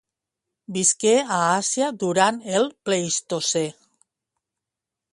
Visqué a Àsia durant el Pleistocè.